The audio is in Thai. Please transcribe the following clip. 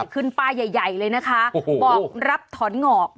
ขึ้นป้ายใหญ่เลยนะคะบอกรับถอนงอก